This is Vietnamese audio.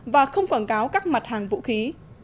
và không quảng cáo các mặt hàng vũ khí